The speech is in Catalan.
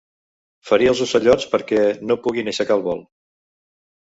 Ferir els ocellots perquè no puguin aixecar el vol.